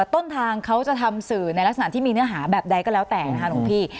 ต้นทางเขาจะทำสื่อในลักษณะที่มีเนื้อหาแบบใดก็แล้วแต่นะคะหลวงพี่